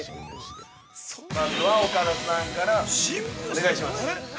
◆まずは岡田さんからお願いします。